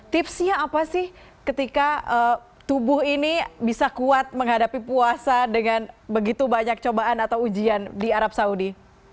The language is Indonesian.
tipsnya apa sih ketika tubuh ini bisa kuat menghadapi puasa dengan begitu banyak cobaan atau ujian di arab saudi